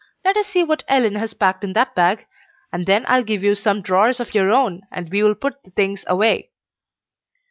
Let us see what Ellen has packed in that bag, and then I'll give you some drawers of your own, and we will put the things away."